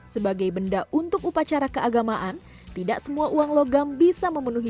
sebagai benda untuk upacara keagamaan tidak semua uang logam bisa memenuhi